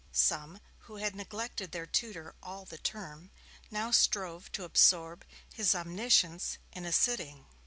Some, who had neglected their tutor all the term, now strove to absorb his omniscience in a sitting.